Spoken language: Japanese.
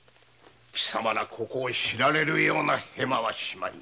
貴様らここを知られるようなへまはしまいな。